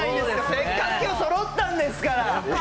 せっかく今日そろったんですから！